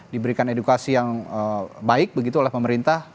diberikan edukasi yang baik begitu oleh pemerintah